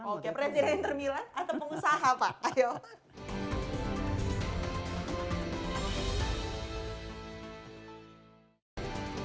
oke presiden intermilan atau pengusaha pak